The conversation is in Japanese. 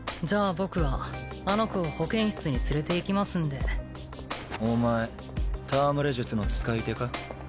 僕はあの子を保健室に連れて行きますんでお前戯術の使い手か？